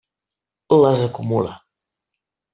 Les acumula.